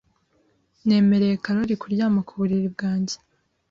Nemereye Karoli kuryama ku buriri bwanjye.